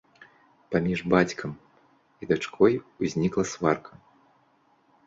Паміж бацькам і дачкой узнікла сварка.